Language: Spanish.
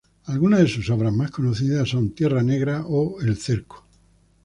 Alguna de sus obras más conocidas son "Tierra Negra" o "El Cerco".